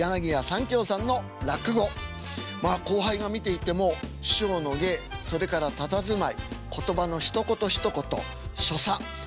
まあ後輩が見ていても師匠の芸それからたたずまい言葉のひと言ひと言所作全てがお手本です。